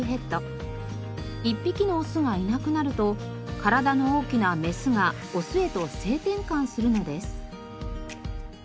１匹のオスがいなくなると体の大きなメスがオスへと性転換するのです。